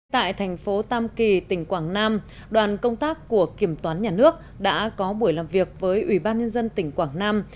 tại thành phố tam kỳ tỉnh quảng nam đoàn công tác của kiểm toán nhà nước đã có buổi làm việc với ủy ban nhân dân tỉnh quảng nam